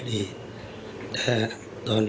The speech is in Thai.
ฝ่ายกรเหตุ๗๖ฝ่ายมรณภาพกันแล้ว